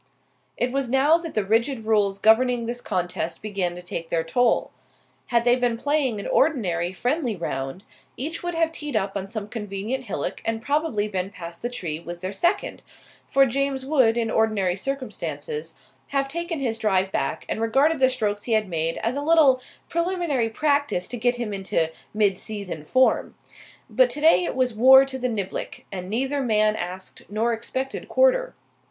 It was now that the rigid rules governing this contest began to take their toll. Had they been playing an ordinary friendly round, each would have teed up on some convenient hillock and probably been past the tree with their second, for James would, in ordinary circumstances, have taken his drive back and regarded the strokes he had made as a little preliminary practice to get him into midseason form. But today it was war to the niblick, and neither man asked nor expected quarter.